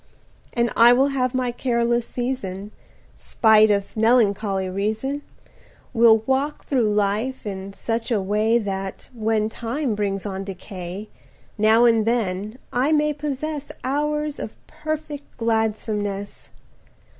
110 And I will have my careless season Spite of melancholy reason, Will walk through life in such a way That, when time brings on decay, Now and then I may possess Hours of perfect gladsomeness.